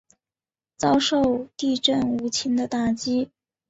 遭受地震无情的打击